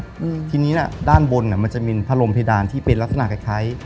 อืมทีนี้น่ะด้านบนอ่ะมันจะมีพัดลมเพดานที่เป็นลักษณะคล้ายคล้าย